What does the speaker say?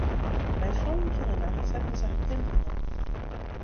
By it fallen fan 'e nacht setten se har tinten op.